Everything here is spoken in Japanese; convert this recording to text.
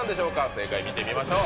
正解見てみましょう。